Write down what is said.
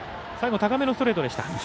最後、高めのストレートでした。